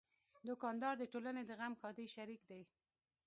دوکاندار د ټولنې د غم ښادۍ شریک دی.